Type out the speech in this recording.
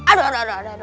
aduh aduh aduh